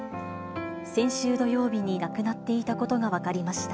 先週土曜日に亡くなっていたことが分かりました。